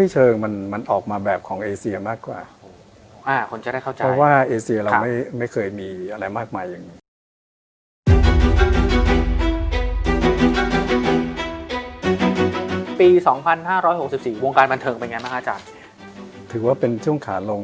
ปี๒๕๖๔วงการบันเทิงเป็นไงถือว่าเป็นช่วงขาลง